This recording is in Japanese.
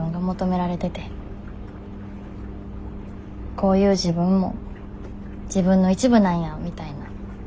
こういう自分も自分の一部なんやみたいな感覚？